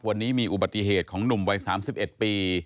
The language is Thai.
วันนี้มีอุบัติเหตุของหนุ่มวัย๓๑ปี